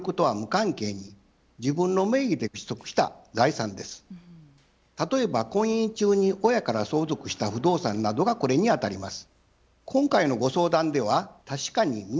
２つ目は例えば婚姻中に親から相続した不動産などがこれにあたります。